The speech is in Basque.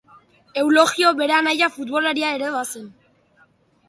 Eulogio bere anaia futbolaria ere bazen.